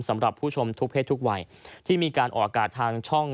สำหรับผู้ชมทุกเพศทุกวัยที่มีการออกอากาศทางช่อง